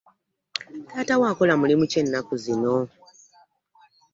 Taata wo akola mulimu ki ennaku zino?